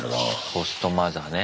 ホストマザーね。